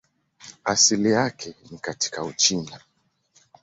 Asili yake ni katika Uchina.